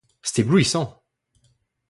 C'est éblouissant!